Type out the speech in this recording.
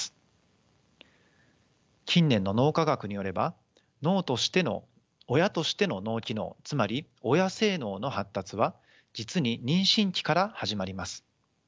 近年の脳科学によれば親としての脳機能つまり親性脳の発達は実に妊娠期から始まります。